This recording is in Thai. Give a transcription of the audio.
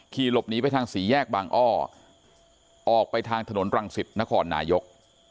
ขี่หลบหนีไปทางสี่แยกบางอ้อออกไปทางถนนรังสิตนครนายก